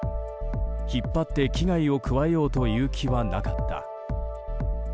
引っ張って危害を加えようという気はなかった。